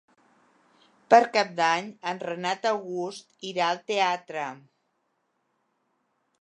Per Cap d'Any en Renat August irà al teatre.